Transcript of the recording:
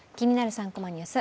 ３コマニュース」